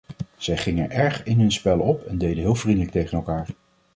Zij gingen erg in hun spel op en deden heel vriendelijk tegen elkaar.